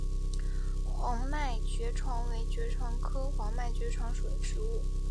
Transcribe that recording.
黄脉爵床为爵床科黄脉爵床属的植物。